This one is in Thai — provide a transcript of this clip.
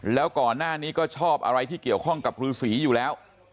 แล้วก่อนหน้านี้ก็ชอบอะไรที่เกี่ยวข้องกับฤษีอยู่แล้ว